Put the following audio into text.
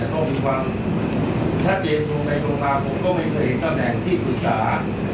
ต้องมีความชัดเจนตรงไปตรงมาผมก็ไม่เห็นแตบแหล่งการหุดสา